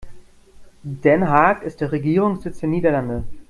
Den Haag ist der Regierungssitz der Niederlande.